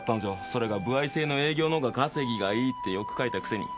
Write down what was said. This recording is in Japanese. それが歩合制の営業のが稼ぎがいいって欲かいたくせに。